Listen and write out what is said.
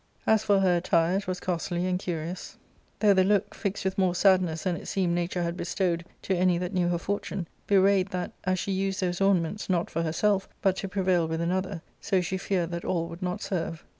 As for her attire, it was costly and curious, ARCADIA,— Book /, 83 though the look, fixed with more sadness than it seemed nature had bestowed to any th&t knew her fortune, bewrayed that, as she used those ornaments, not for herself, but to prevail with another, so she feared that all would not serve.